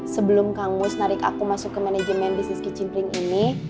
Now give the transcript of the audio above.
sebelum kamu senarik aku masuk ke manajemen bisnis kitchen ring ini